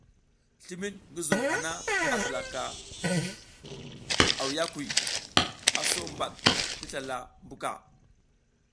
Slimid ngi zuŋ hana a zilaka awiyakuy, a so bad ti slala mbuka.